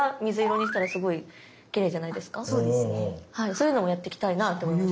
そういうのもやってきたいなと思います。